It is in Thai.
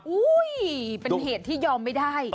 อุ้ยเป็นเหตุที่ยอมไม่ได้